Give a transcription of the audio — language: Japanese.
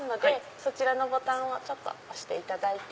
そちらのボタンを押していただいて。